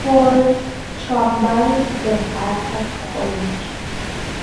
Some called Trumbull the bursar's college.